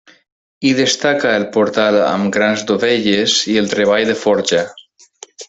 Hi destaca el portal amb grans dovelles i el treball de forja.